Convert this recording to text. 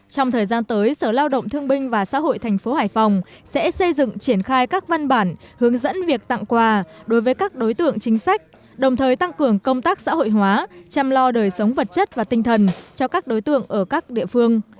trong thời gian tới sở lao động thương binh và xã hội thành phố hải phòng sẽ xây dựng triển khai các văn bản hướng dẫn việc tặng quà đối với các đối tượng chính sách đồng thời tăng cường công tác xã hội hóa chăm lo đời sống vật chất và tinh thần cho các đối tượng ở các địa phương